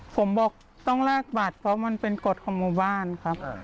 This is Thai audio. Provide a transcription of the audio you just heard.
ผมบอกต้องแลกบัตรเพราะมันเป็นกฎของหมู่บ้านครับ